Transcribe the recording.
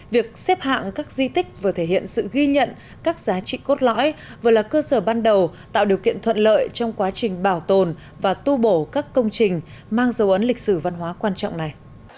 việc xếp hạng các di tích vừa thể hiện sự ghi nhận các giá trị cốt lõi vừa là cơ sở ban đầu tạo điều kiện thuận lợi trong quá trình bảo tồn và tu bổ các công trình mang dấu ấn lịch sử văn hóa quan trọng này